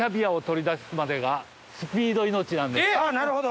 なるほど！